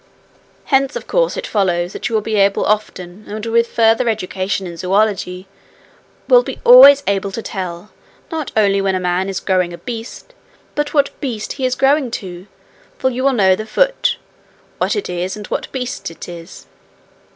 'Hence of course it follows that you will be able often, and with further education in zoology, will be able always to tell, not only when a man is growing a beast, but what beast he is growing to, for you will know the foot what it is and what beast's it is.